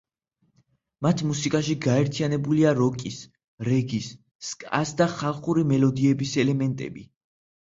მათ მუსიკაში გაერთიანებულია როკის, რეგის, სკას და ხალხური მელოდიების ელემენტები.